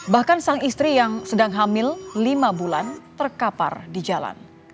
bahkan sang istri yang sedang hamil lima bulan terkapar di jalan